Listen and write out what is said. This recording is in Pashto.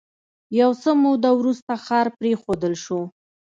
یو څه موده وروسته ښار پرېښودل شو